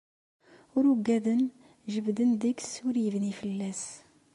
Ur uggaden, jebden deg-s ur ibni fell-as.